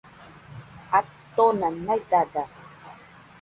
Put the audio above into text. Atona naidada